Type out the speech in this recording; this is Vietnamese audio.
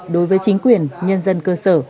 đối với chính quyền nhân dân cơ sở